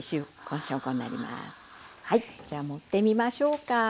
はいじゃ盛ってみましょうか。